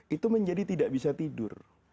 itu menjadi tidak bisa tidur